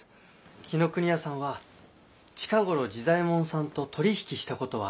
紀伊国屋さんは近頃治左衛門さんと取り引きしたことはあるのかい？